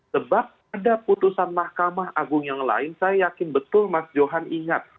sebab ada putusan mahkamah agung yang lain saya yakin betul mas johan ingat